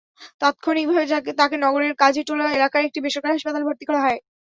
তাত্ক্ষণিকভাবে তাঁকে নগরের কাজীটোলা এলাকার একটি বেসরকারি হাসপাতালে ভর্তি করা হয়।